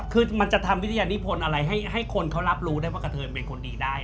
คือมันจะทำวิทยานิพลอะไรให้คนเขารับรู้ได้ว่ากะเทินเป็นคนดีได้